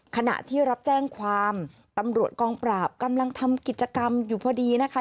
ขณะที่รับแจ้งความตำรวจกองปราบกำลังทำกิจกรรมอยู่พอดีนะคะ